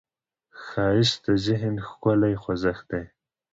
ښایست د ذهن ښکلې خوځښت دی